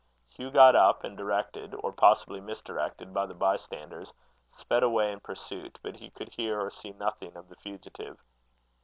Hugh got up, and, directed, or possibly misdirected by the bystanders, sped away in pursuit; but he could hear or see nothing of the fugitive.